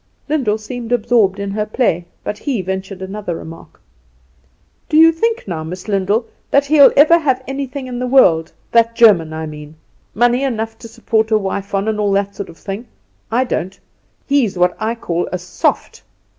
Lyndall seemed absorbed in her play; but he ventured another remark. "Do you think now, Miss Lyndall, that he'll ever have anything in the world that German. I mean money enough to support a wife on, and all that sort of thing? I don't. He's what I call soft."